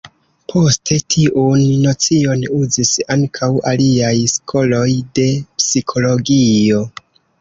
Poste tiun nocion uzis ankaŭ aliaj skoloj de psikologio.